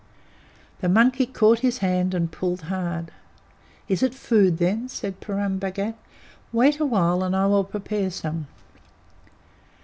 The monkey caught his hand and pulled hard. "Is it food, then?" said Purun Bhagat. "Wait awhile, and I will prepare some."